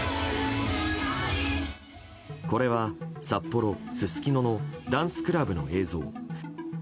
これは札幌・すすきののダンスクラブの映像。